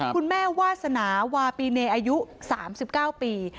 คุณแม่วาสนาวาปีเนอายุ๓๙ปี